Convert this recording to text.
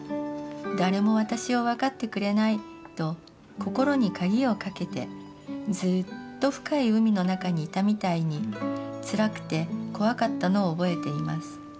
『誰も私を分かってくれない』と心にカギをかけてずっと深い海の中にいたみたいに辛くて怖かったのを覚えています。